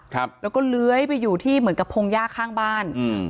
ครับแล้วก็เลื้อยไปอยู่ที่เหมือนกับพงหญ้าข้างบ้านอืม